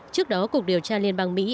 trước đó cuộc điều tra liên bang mỹ